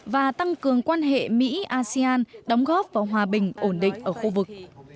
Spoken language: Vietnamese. và tăng cường quan hệ mỹ asean đóng góp vào hòa bình ổn định ở khu vực